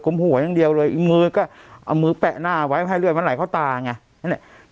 หัวอย่างเดียวเลยมือก็เอามือแปะหน้าไว้ให้เลือดมันไหลเข้าตาไงนั่นแหละ